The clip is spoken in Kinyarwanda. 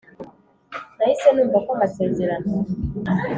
nahise numva ko amasezerano